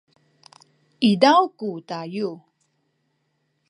izaw ku tayu